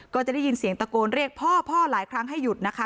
ก็จะได้ยินเสียงตะโกนเรียกพ่อพ่อหลายครั้งให้หยุดนะคะ